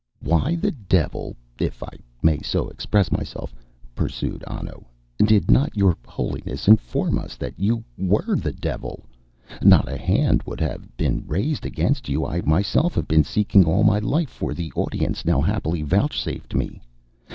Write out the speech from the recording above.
"Why the devil, if I may so express myself," pursued Anno, "did not your Holiness inform us that you were the devil? Not a hand would then have been raised against you. I have myself been seeking all my life for the audience now happily vouchsafed me.